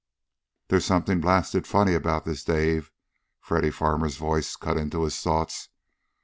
"There's something blasted funny about this, Dave!" Freddy Farmer's voice cut into his thoughts.